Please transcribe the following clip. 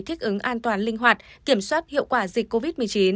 thích ứng an toàn linh hoạt kiểm soát hiệu quả dịch covid một mươi chín